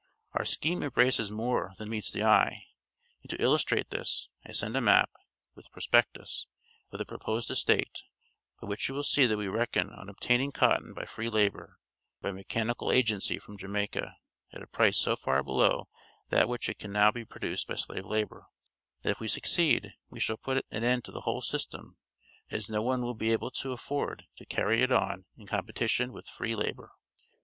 "Our scheme embraces more than meets the eye, and to illustrate this, I send a map (with prospectus) of the proposed estate, by which you will see that we reckon on obtaining cotton by free labor and by mechanical agency from Jamaica, at a price so far below that at which it can be produced by slave labor, that if we succeed, we shall put an end to the whole system, as no one will be able to afford to carry it on in competition with free labor."